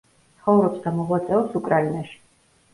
ცხოვრობს და მოღვაწეობს უკრაინაში.